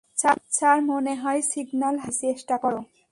Sir, মনে হয় signal হারিয়েছি - চেষ্টা করো।